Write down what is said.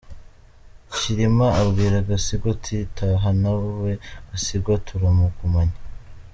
Cyilima abwira Gasigwa ati`` Taha na we Gasigwa turamugumanye’’.